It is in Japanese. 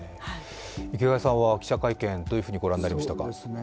池谷さんは記者会見どのようにご覧になりましたか？